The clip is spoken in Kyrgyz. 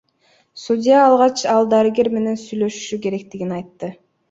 Судья алгач ал дарыгер менен сүйлөшүшү керектигин айтты.